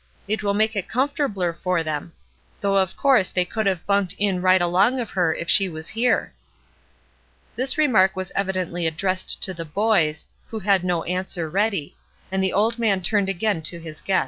It will make it comfortabler for them ; though of course they could have bunked in right along of her if she was here." This remark was evidently addressed to the "boys," who had no answer ready; and the old man turned again to his guests.